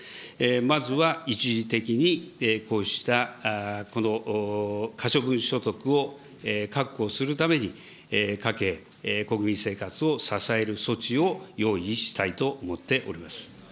まずは一時的にこうしたこの可処分所得を確保するために、家計、国民生活を支える措置を用意したいと思っております。